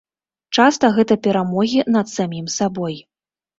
Часта гэта перамогі над самім сабой.